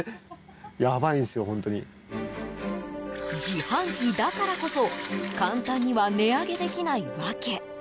自販機だからこそ簡単には値上げできない訳。